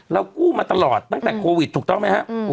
กู้มาตลอดตั้งแต่โควิดถูกต้องไหมครับ